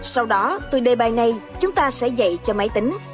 sau đó từ đề bài này chúng ta sẽ dạy cho máy tính